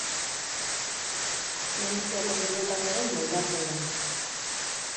Zientzia kontuetan ere moldatzen da.